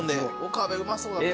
岡部うまそうだった。